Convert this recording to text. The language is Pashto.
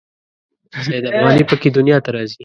سید افغاني په کې دنیا ته راځي.